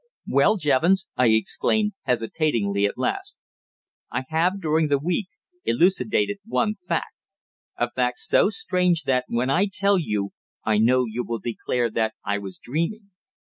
"Well, Jevons," I exclaimed, hesitatingly, at last, "I have during the week elucidated one fact, a fact so strange that, when I tell you, I know you will declare that I was dreaming.